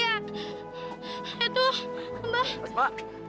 ya tuh amba